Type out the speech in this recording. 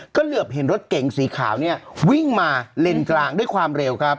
ก็เหลือบเห็นรถเก๋งสีขาวเนี่ยวิ่งมาเลนกลางด้วยความเร็วครับ